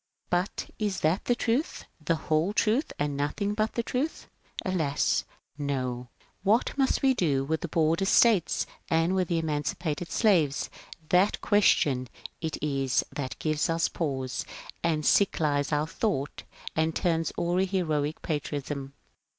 But is that the truth, the whole truth, and nothing^ but the truth ? Alas, no !^^ What must we do with the Border States and with the Emancipated Slaves ?"— that question it is that ^^ gives us pause " and sick lies our thought, and turns awry heroic patriotism.